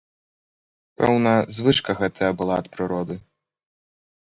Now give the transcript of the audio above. Пэўна, звычка гэтая была ад прыроды.